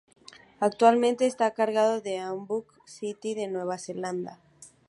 Actualmente está a cargo del Auckland City de Nueva Zelanda.